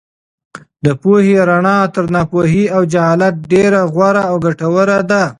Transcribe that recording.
د پوهې رڼا تر ناپوهۍ او جهالت ډېره غوره او ګټوره ده.